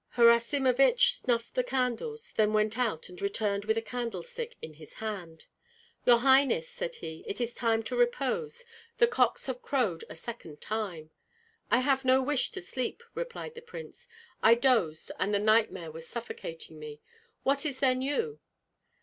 Harasimovich snuffed the candles, then went out and returned with a candlestick in his hand. "Your Highness," said he, "it is time to repose; the cocks have crowed a second time." "I have no wish to sleep," replied the prince. "I dozed, and the nightmare was suffocating me. What is there new?"